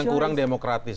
yang kurang demokratis